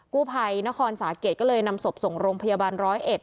กู้ภัยนครสาเกตก็เลยนำศพส่งโรงพยาบาลร้อยเอ็ด